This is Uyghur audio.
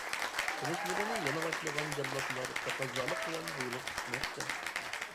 قىلىچلىرىنى يالىڭاچلىغان جاللاتلار تەقەززالىق بىلەن بۇيرۇق كۈتمەكتە.